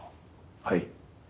はい。